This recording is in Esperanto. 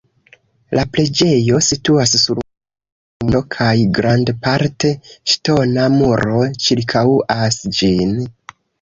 La preĝejo situas sur montopinto kaj grandparte ŝtona muro ĉirkaŭas ĝin.